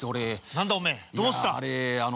何だおめえどうした？